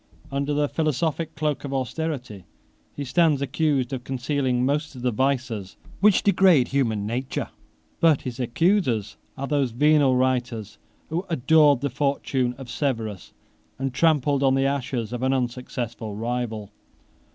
Under the philosophic cloak of austerity, he stands accused of concealing most of the vices which degrade human nature. 17 But his accusers are those venal writers who adored the fortune of Severus, and trampled on the ashes of an unsuccessful rival.